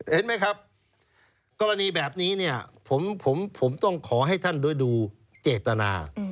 เห็นไหมครับกรณีแบบนี้เนี่ยผมต้องขอให้ท่านด้วยดูเจตนา